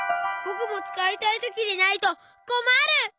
ぼくもつかいたいときにないとこまる！